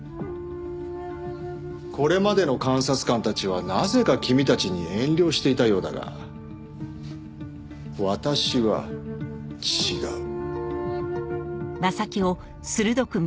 これまでの監察官たちはなぜか君たちに遠慮していたようだが私は違う。